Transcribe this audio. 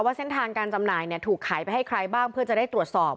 เส้นทางการจำหน่ายถูกขายไปให้ใครบ้างเพื่อจะได้ตรวจสอบ